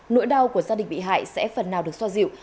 nỗi đau của gia đình bị hại sẽ phần nào được xoa dịu